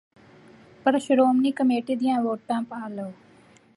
ਪਰ ਸ਼੍ਰੋਮਣੀ ਕਮੇਟੀ ਦੀਆਂ ਵੋਟਾਂ ਪਾ ਲਓ